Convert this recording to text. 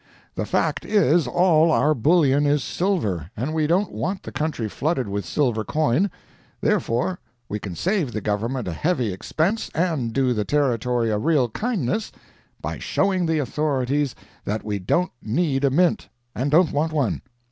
The fact is all our bullion is silver, and we don't want the country flooded with silver coin; therefore, we can save the Government a heavy expense, and do the Territory a real kindness, by showing the authorities that we don't need a mint, and don't want one.